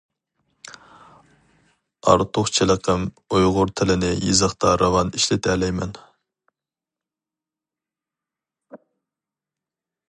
ئارتۇقچىلىقىم، ئۇيغۇر تىلىنى يېزىقتا راۋان ئىشلىتەلەيمەن.